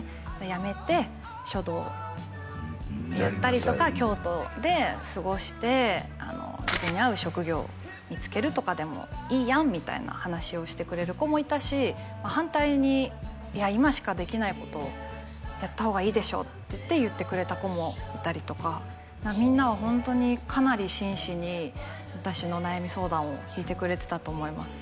やめて書道をやったりとか京都で過ごして自分に合う職業を見つけるとかでもいいやんみたいな話をしてくれる子もいたし反対にいや今しかできないことをやった方がいいでしょって言ってくれた子もいたりとかみんなはホントにかなり真摯に私の悩み相談を聞いてくれてたと思います